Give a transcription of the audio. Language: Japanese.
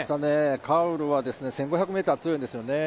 カウルは１５００ｍ、強いんですよね。